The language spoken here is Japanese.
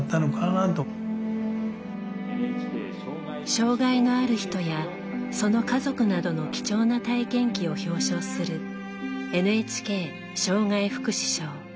障害のある人やその家族などの貴重な体験記を表彰するＮＨＫ障害福祉賞。